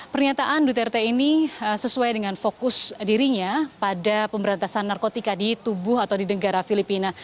pernyataan duterte ini sesuai dengan fokus dirinya pada pemberantasan narkotika di tubuh atau di negara filipina